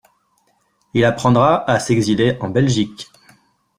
Il apprendra à s'exiler en Belgique.